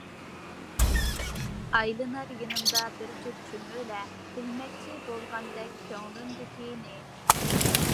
ئايلىنار يېنىمدا بىر جۈپ چۈمۈلە، بىلمەكچى بولغاندەك كۆڭلۈمدىكىنى.